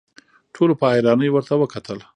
ټولو په حيرانۍ ورته وکتل.